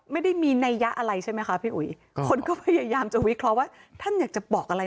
ไม่ได้มีนัยยะอะไรใช่ไหมคะพี่อุ๋ยคนก็พยายามจะวิเคราะห์ว่าท่านอยากจะบอกอะไร